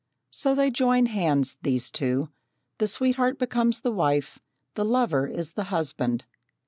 So they join hands, these two: the sweetheart becomes the wife; the lover is the husband.